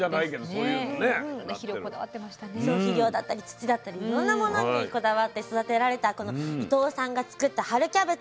そう肥料だったり土だったりいろんなものにこだわって育てられたこの伊藤さんが作った春キャベツ。